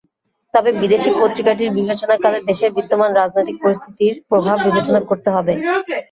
তবে বিদেশি পত্রিকাটির বিবেচনাকালে দেশের বিদ্যমান রাজনৈতিক পরিস্থিতির প্রভাব বিবেচনা করতে হবে।